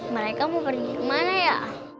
mereka mau pergi kemana ya